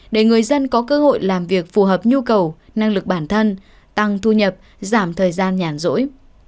để người dân có cơ hội làm việc phù hợp nhu cầu năng lực bản thân tăng thu nhập giảm thời gian nhàn rỗi